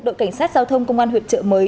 đội cảnh sát giao thông công an huyện trợ mới